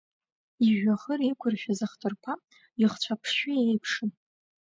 Ижәҩахыр иқәршәыз ахҭырԥа, ихцәы аԥшшәы еиԥшын.